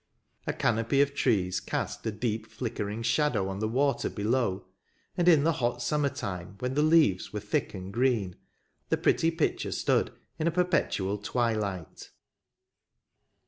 A canopy of trees cast a deep flick ering shadow on the water below, and in the hot summer time, when the leaves were thick and green, the pretty picture stood in a per petual twilight.